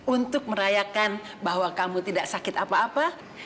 untuk merayakan bahwa kamu tidak sakit apa apa